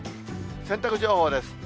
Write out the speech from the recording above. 洗濯情報です。